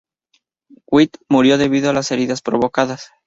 White murió debido a las heridas provocadas.